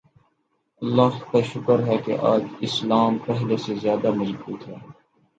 اللہ کا شکر ہے کہ آج اسلام پہلے سے زیادہ مضبوط ہے۔